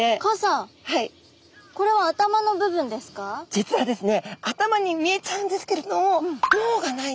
実はですね